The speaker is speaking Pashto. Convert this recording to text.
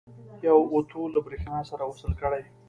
یو اوتو له برېښنا سره وصل کړئ.